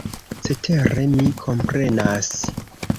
Cetere mi komprenas!